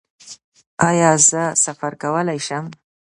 ایا زه سفر کولی شم؟